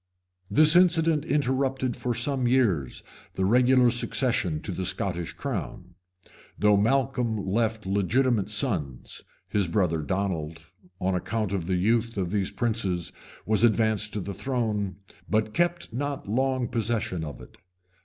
This incident interrupted for some years the regular succession to the Scottish crown, Though Malcolm left legitimate sons, his brother Donald, on account of the youth of these princes, was advanced to the throne; but kept not long possession of it.